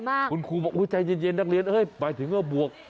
แล้วเขาพูดว่ายังไงกับเด็ก